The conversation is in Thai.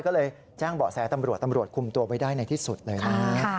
ก็เลยแจ้งเบาะแสตำรวจตำรวจคุมตัวไว้ได้ในที่สุดเลยนะ